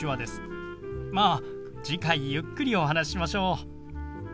まあ次回ゆっくりお話ししましょう。